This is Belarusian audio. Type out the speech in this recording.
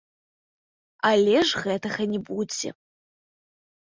Але ж гэтага не будзе.